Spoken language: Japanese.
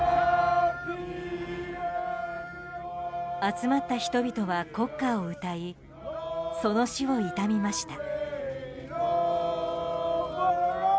集まった人々は国歌を歌いその死を悼みました。